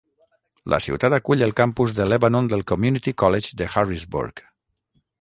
La ciutat acull el campus de Lebanon del Community College de Harrisburg.